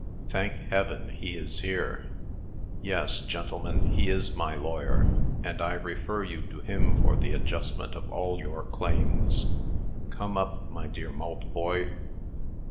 "Thank Heaven! he is here. Yes, gentlemen, he is my lawyer, and I refer you to him for the adjustment of all your claims. Come up, my dear Maltboy."